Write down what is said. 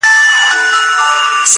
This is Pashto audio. پر وړو لویو خبرو نه جوړېږي!.